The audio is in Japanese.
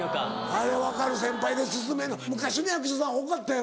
あれ分かる先輩で勧めんの昔の役者さん多かったよな。